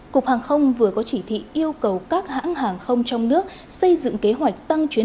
cục hàng không vừa có chỉ thị yêu cầu các hãng hàng không trong nước xây dựng kế hoạch tăng chuyến